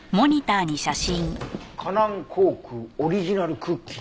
「華南航空オリジナルクッキー」